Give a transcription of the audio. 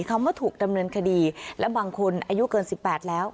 เขามาถูกดำเนินคดีแล้วบางคนอายุเกินสิบแปดแล้ว